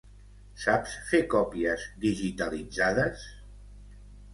Saps fer còpies digitalitzades?